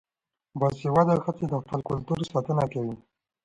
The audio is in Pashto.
باسواده ښځې د خپل کلتور ساتنه کوي.